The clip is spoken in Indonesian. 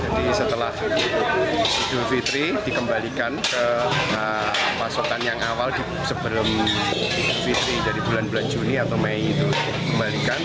setelah idul fitri dikembalikan ke pasokan yang awal sebelum idul fitri dari bulan bulan juni atau mei itu dikembalikan